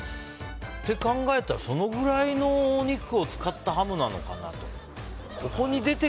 そう考えたら、そのくらいのお肉を使ったハムなのかなと。